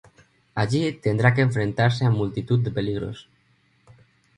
Allí, tendrá que enfrentarse a multitud de peligros.